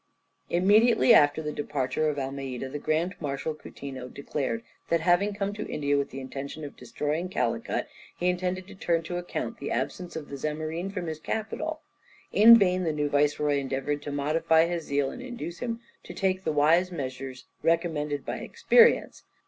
Immediately after the departure of Almeida, the grand Marshal Coutinho declared that, having come to India with the intention of destroying Calicut, he intended to turn to account the absence of the Zamorin from his capital. In vain the new viceroy endeavoured to modify his zeal and induce him to take the wise measures recommended by experience.